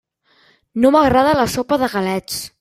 No m'agrada la sopa de galets.